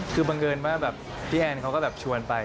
คือบังเกินว่าพี่แอนเขาก็ชวนไป